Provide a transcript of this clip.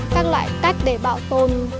các loại cách để bảo tồn